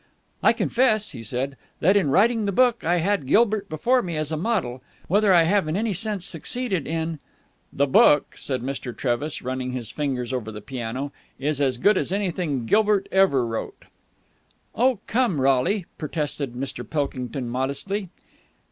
"I confess," he said, "that, in writing the book, I had Gilbert before me as a model. Whether I have in any sense succeeded in...." "The book," said Mr. Trevis, running his fingers over the piano, "is as good as anything Gilbert ever wrote." "Oh, come, Rolie!" protested Mr. Pilkington modestly.